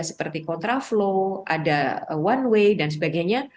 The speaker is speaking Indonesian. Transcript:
seperti kontraflow ada one way dan sebagainya